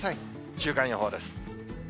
週間予報です。